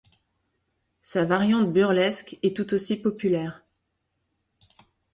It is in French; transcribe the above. Sa variante burlesque est tout aussi populaire.